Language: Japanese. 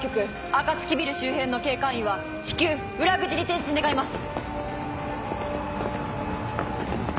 あかつきビル周辺の警戒員は至急裏口に転進願います。